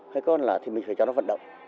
hay con là thì mình phải cho nó vận động